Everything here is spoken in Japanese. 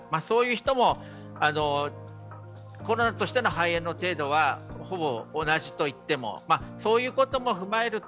そういう人もコロナとしての肺炎の程度はほぼ同じといってもいいと思います。